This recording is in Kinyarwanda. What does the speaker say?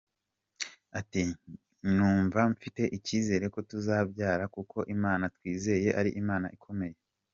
Ati “Numva mfite icyizere ko tuzabyara kuko Imana twizeye ari Imana ikomeye.